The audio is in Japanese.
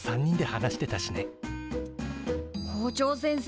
校長先生